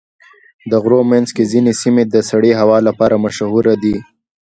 د غرونو منځ کې ځینې سیمې د سړې هوا لپاره مشهوره دي.